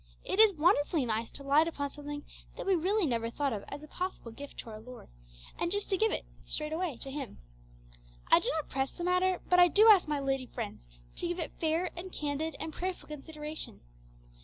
It is wonderfully nice to light upon something that we really never thought of as a possible gift to our Lord, and just to give it, straight away, to Him. I do not press the matter, but I do ask my lady friends to give it fair and candid and prayerful consideration.